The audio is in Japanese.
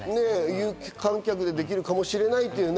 有観客でできるかもしれないってね。